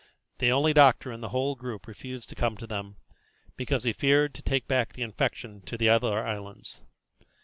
The only doctor in the whole group refused to come to them, because he feared to take back the infection to the other islands.